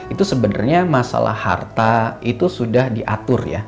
itu sebenarnya masalah harta itu sudah diatur ya